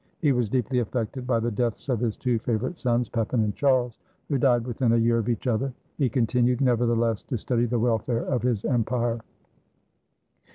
He was deeply affected by the deaths of his two favorite sons, Pepin and Charles, who died within a year of each other. He continued, nevertheless, to study the welfare of his empire.